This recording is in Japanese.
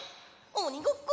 おにごっこ！